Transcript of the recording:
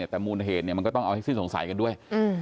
แต่มูลเหตุมันก็ต้องเอาให้สิ้นสงสัยกันด้วย